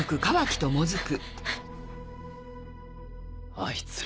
あいつら。